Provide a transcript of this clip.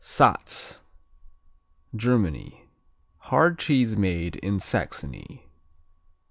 Satz Germany Hard cheese made in Saxony.